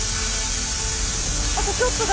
あとちょっとだ。